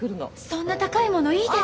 そんな高いものいいです！